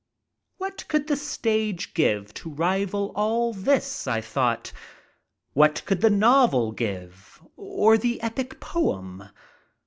"What could the Btage give to rival all this?" I thought. "What could the novel give? or the epic poem'.'"